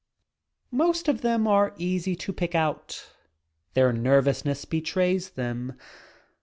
Most of them are easy to pick out. Their nerv ousness betrays them.